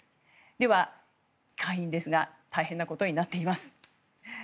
では、下院ですが大変なことになっています。